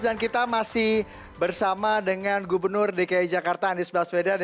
dan kita masih bersama dengan gubernur dki jakarta andis baswedan